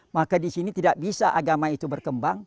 maka disini tidak bisa agama itu berkembang